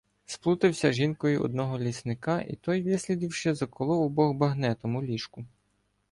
Сплутався з жінкою одного лісника, і той, вислідивши, заколов обох багнетом у ліжку.